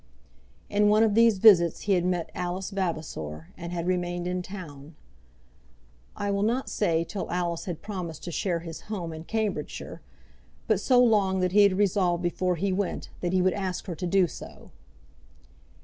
In one of these visits he had met Alice Vavasor, and had remained in Town, I will not say till Alice had promised to share his home in Cambridgeshire, but so long that he had resolved before he went that he would ask her to do so.